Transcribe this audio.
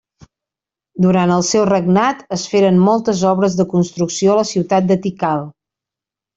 Durant el seu regnat es feren moltes obres de construcció a la ciutat de Tikal.